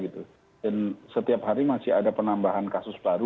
setiap hari masih ada penambahan kasus baru